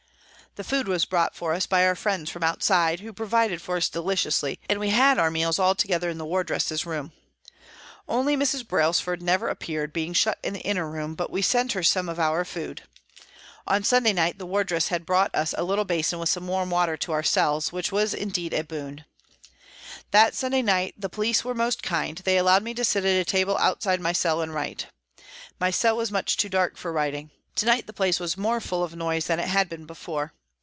The food was brought for us by our friends from outside, who provided for us deliciously, and we had our meals all together in the wardresses' room. Only Mrs. Brailsford never appeared, being shut in the inner room, but we sent her some of our food. On Sunday night, the wardress had brought us a little basin with some warm water to our cells, which was indeed a boon. NEWCASTLE 219 That Sunday night the police were most kind, they allowed me to sit at a table outside my cell and write. My cell was much too dark for writing. To night the place was more full of noise than it had been before.